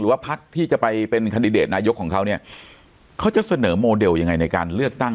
ว่าพักที่จะไปเป็นคันดิเดตนายกของเขาเนี่ยเขาจะเสนอโมเดลยังไงในการเลือกตั้ง